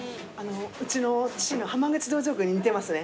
うちの父の浜口道場訓に似てますね。